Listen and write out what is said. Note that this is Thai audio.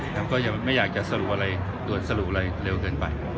พาก็ไม่อยากจะตรวจสรุอะไรเร็วเกินไป